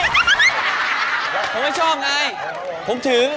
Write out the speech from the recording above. ผมไม่ชอบไงผมถึง